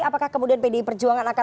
apakah kemudian pdi perjuangan akan